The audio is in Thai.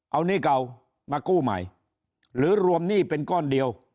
เอาหนี้เก่ามากู้ใหม่หรือรวมหนี้เป็นก้อนเดียว